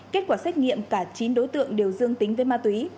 kết quả xét nghiệm cả chín đối tượng đều dương tính với ma túy